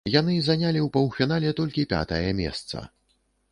Яны занялі ў паўфінале толькі пятае месца.